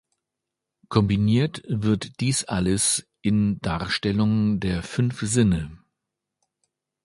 Kombiniert wird dies alles in Darstellungen der fünf Sinne.